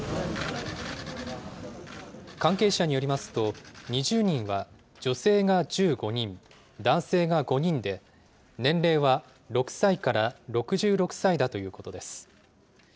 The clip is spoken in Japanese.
関係者によりますと、２０人は、女性が１５人、男性が５人で、年齢は６歳から６６歳だということです。